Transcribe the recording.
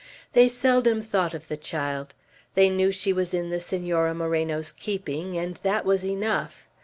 They seldom thought of the child. They knew she was in the Senora Moreno's keeping, and that was enough.